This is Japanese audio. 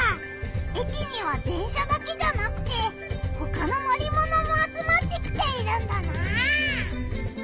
駅には電車だけじゃなくてほかの乗りものも集まってきているんだな！